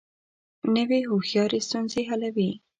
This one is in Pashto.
نوې هوښیاري ستونزې حلوي